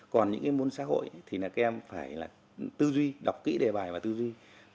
còn những môn xã hội thì các em phải tư duy đọc kỹ đề bài và tư duy